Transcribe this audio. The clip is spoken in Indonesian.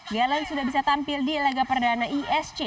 galen sudah bisa tampil di laga perdana isc